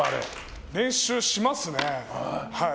練習しますね。